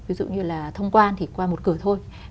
ví dụ như là thông quan thì qua một cửa thôi